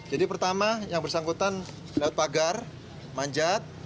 pertama yang bersangkutan lewat pagar manjat